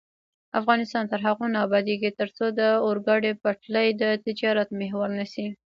افغانستان تر هغو نه ابادیږي، ترڅو د اورګاډي پټلۍ د تجارت محور نشي.